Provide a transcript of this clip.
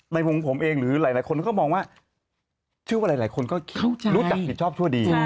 มันก็รู้จักผิดชอบชั่วดี